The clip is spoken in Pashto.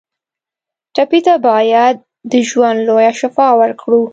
ټپي ته باید د ژوند لویه شفا ورکړو.